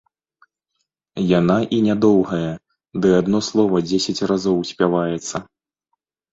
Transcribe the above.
Яна і нядоўгая, ды адно слова дзесяць разоў спяваецца.